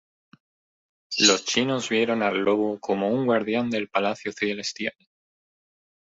Los chinos vieron al lobo como un guardián del palacio celestial.